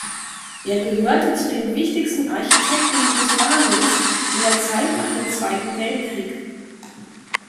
Er gehörte zu den wichtigsten Architekten Jugoslawiens in der Zeit nach dem Zweiten Weltkrieg.